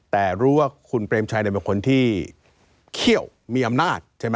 แต่รู้ว่าคุณเปรมชัยเป็นคนที่เขี้ยวมีอำนาจใช่ไหม